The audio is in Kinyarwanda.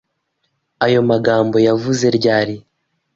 Ayo magambo yavuze ryari?